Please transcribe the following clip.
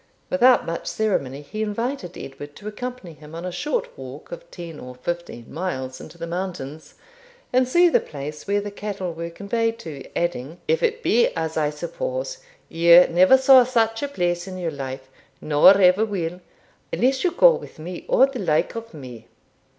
Without much ceremony he invited Edward to accompany him on a short walk of ten or fifteen miles into the mountains, and see the place where the cattle were conveyed to; adding, 'If it be as I suppose, you never saw such a place in your life, nor ever will, unless you go with me or the like of me.'